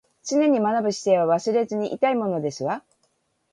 常に学ぶ姿勢は忘れずにいたいものですわ